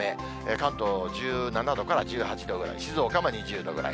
関東１７度から１８度ぐらい、静岡も２０度ぐらい。